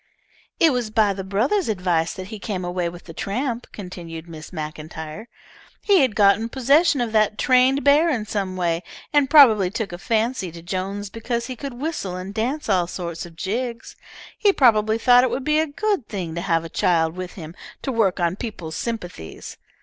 "It was by the brother's advice he came away with that tramp," continued Mrs. MacIntyre. "He had gotten possession of that trained bear in some way, and probably took a fancy to Jones because he could whistle and dance all sorts of jigs. He probably thought it would be a good thing to have a child with him to work on peoples' sympathies.